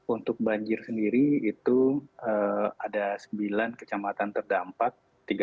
untuk banjir sendiri itu ada sembilan kecamatan terdampak